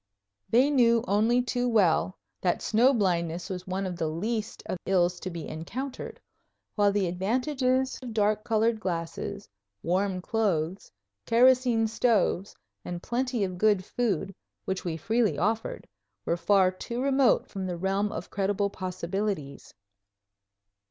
They knew only too well that snow blindness was one of the least of ills to be encountered; while the advantages of dark colored glasses, warm clothes, kerosene stoves, and plenty of good food, which we freely offered, were far too remote from the realm of credible possibilities.